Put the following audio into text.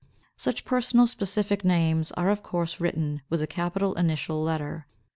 Such personal specific names are of course written with a capital initial letter.